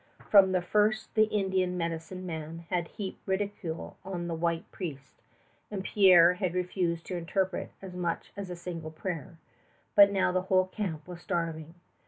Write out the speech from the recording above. From the first the Indian medicine man had heaped ridicule on the white priest, and Pierre had refused to interpret as much as a single prayer; but now the whole camp was starving.